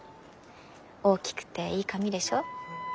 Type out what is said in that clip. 大きくていい紙でしょ？